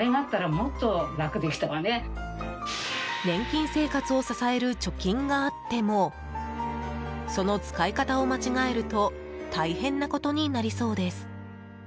年金生活を支える貯金があってもその使い方を間違えると大変なことになりそうです。